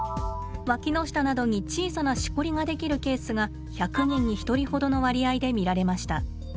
わきの下などに小さなしこりが出来るケースが１００人に１人ほどの割合で見られました。